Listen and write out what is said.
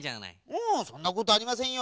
ううんそんなことありませんよ。